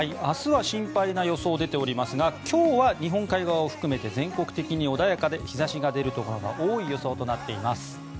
明日は心配な予想が出ておりますが今日は日本海側を含めて全国的に穏やかで日差しが出るところが多い予想となっています。